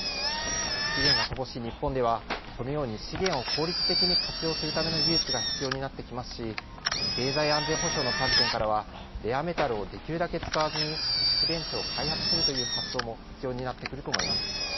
資源が乏しい日本では、このように資源を効率的に活用するための技術が必要になってきますし、経済安全保障の観点からは、レアメタルをできるだけ使わずに蓄電池を開発するという発想も必要になってくると思います。